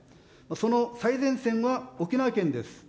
その最前線は沖縄県です。